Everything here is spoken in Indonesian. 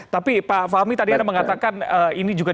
tapi pak fahmi tadi ada mengatakan ini juga dilakukan di negara indonesia